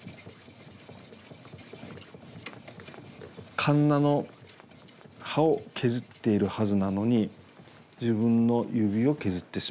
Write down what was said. かんなの刃を削っているはずなのに自分の指を削ってしまったということも。